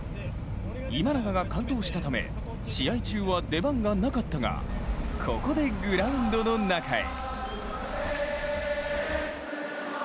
今永が完投したため試合中は出番がなかったがここでグラウンドの中へ。